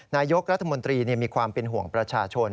นายกรัฐมนตรีมีความเป็นห่วงประชาชน